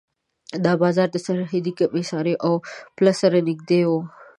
دا بازار د سرحدي کمېسارۍ او پله سره نږدې و.